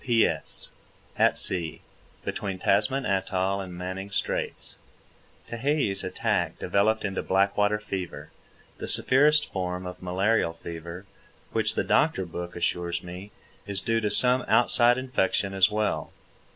P.S. At sea, between Tasman atoll and Manning Straits. Tehei's attack developed into black water fever—the severest form of malarial fever, which, the doctor book assures me, is due to some outside infection as well.